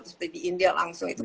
seperti di india langsung